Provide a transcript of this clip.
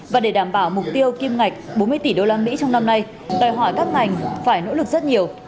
và để đảm bảo mục tiêu kim ngạch bốn mươi tỷ đô la mỹ trong năm nay đòi hỏi các ngành phải nỗ lực rất nhiều